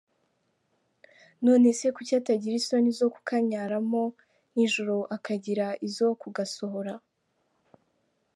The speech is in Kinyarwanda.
None se kuki atagira isoni zo kukanyaramo nijoro akagira izo kugasohora?”.